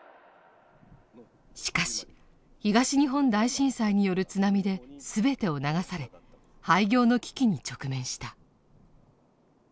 しかし東日本大震災による津波で全てを流され廃業の危機に直面した。